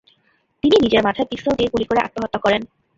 তিনি নিজের মাথায় পিস্তল দিয়ে গুলি করে আত্মহত্যা করেন।